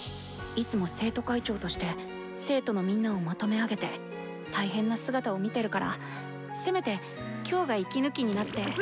いつも生徒会長として生徒のみんなをまとめ上げて大変な姿を見てるからせめて今日が息抜きになって。